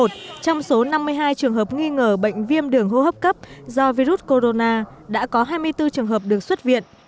trong số năm mươi hai trường hợp nghi ngờ bệnh viêm đường hô hấp cấp do virus corona đã có hai mươi bốn trường hợp được xuất viện